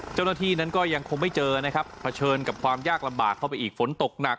เจ้าหน้าที่นั้นก็ยังคงไม่เจอนะครับเผชิญกับความยากลำบากเข้าไปอีกฝนตกหนัก